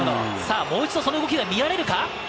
もう一度、その動きを見られるか？